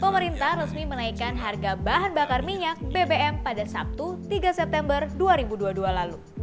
pemerintah resmi menaikkan harga bahan bakar minyak bbm pada sabtu tiga september dua ribu dua puluh dua lalu